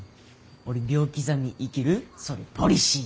俺秒刻み生きるそれポリシー